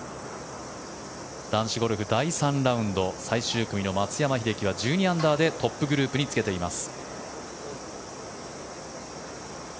男子ゴルフ第３ラウンド最終組の松山英樹は１２アンダーでトップグループにつけています。